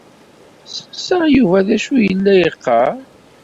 Sseqsaɣ Yuba d acu i yella yeqqar.